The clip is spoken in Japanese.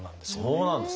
そうなんですね。